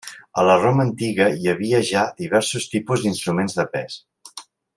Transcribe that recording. A la Roma antiga hi havia ja diversos tipus d'instruments de pes.